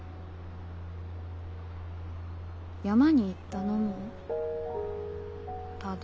山に行ったのもただ。